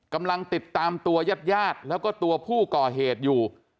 กำลังติดตามตัวยาดแล้วก็ตัวผู้ก่อเหตุอยู่